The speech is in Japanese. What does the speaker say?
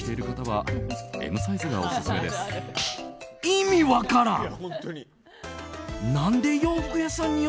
意味分からん！